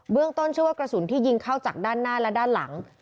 ต้นชื่อว่ากระสุนที่ยิงเข้าจากด้านหน้าและด้านหลัง